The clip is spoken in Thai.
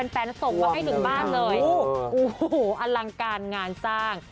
แฟนส่งมาให้ถึงบ้านเลยโอ้โหอลังการงานสร้าง